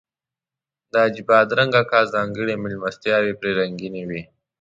د حاجي بادرنګ اکا ځانګړي میلمستیاوې پرې رنګینې وې.